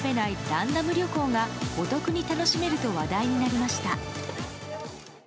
ランダム旅行がお得に楽しめると話題になりました。